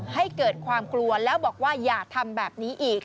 ให้เกิดความกลัวแล้วบอกว่าอย่าทำแบบนี้อีก